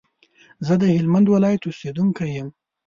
زه د هلمند ولايت اوسېدونکی يم